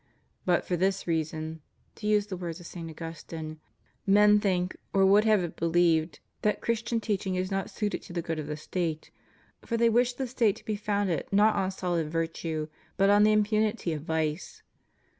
"But for this reason," to use the words of St. Augustine, "men think, or would have it believed, that Christian teaching is not suited to the good of the State; for they wish the State to be founded not on solid virtue, but on the im punity of vice."